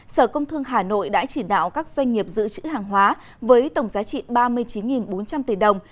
sở công thương hà nội đã chỉ đạo các doanh nghiệp giữ chữ hàng hóa với tổng giá trị ba mươi chín bốn trăm linh tỷ đồng